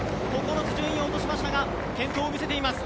９つ順位を落としましたが健闘を見せています。